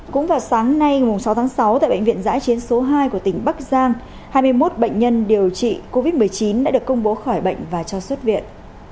cũng vào sáng nay sáu tháng sáu tại bệnh viện giãi chiến số hai của tỉnh bắc giang hai mươi một bệnh nhân điều trị covid một mươi chín đã được công bố khỏi bệnh và cho xuất viện